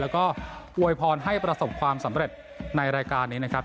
แล้วก็อวยพรให้ประสบความสำเร็จในรายการนี้นะครับ